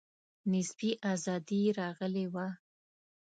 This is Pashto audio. نسبي آزادي راغلې وه.